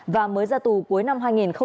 và mới ra tù cuối năm hai nghìn hai mươi một